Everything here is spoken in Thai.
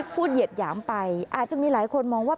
เหยียดหยามไปอาจจะมีหลายคนมองว่า